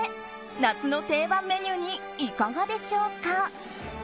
夏の定番メニューにいかがでしょうか？